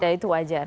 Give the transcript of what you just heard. nah itu wajar